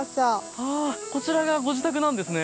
はあこちらがご自宅なんですね。